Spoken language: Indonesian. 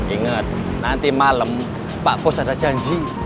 ingat nanti malam pak bos ada janji